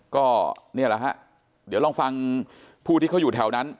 ก็นี่แหละฮะเดี๋ยวลองฟังผู้ที่เขาอยู่แถวนั้น